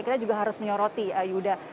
kita juga harus menyoroti yudha